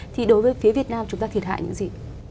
thì đối với phía việt nam chúng ta thiệt hại những gì